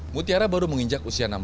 mutiara baru menginjak usia enam belas